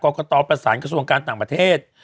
กตประสานกระทรวงการต่างประเทศ